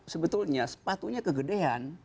sebetulnya sepatunya kegedean